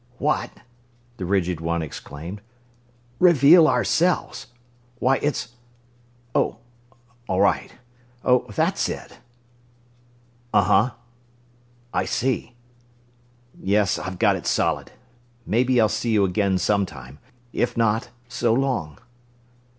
"What!" the rigid one exclaimed. "Reveal ourselves! Why, it's ... Oh, all right.... Oh, that's it.... Uh huh.... I see.... Yes, I've got it solid. Maybe I'll see you again some time. If not, so long!"